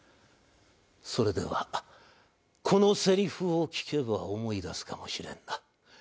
それではこのせりふを聞けば思い出すかもしれんな。